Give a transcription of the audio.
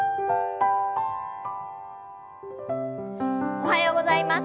おはようございます。